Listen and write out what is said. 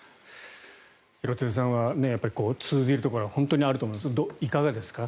廣津留さんは通じるところが本当にあると思いますがいかがですか？